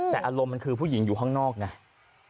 แต่อารมณ์มันคือผู้หญิงอยู่ข้างนอกไง